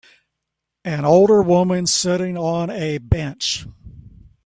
An older woman sitting on a bench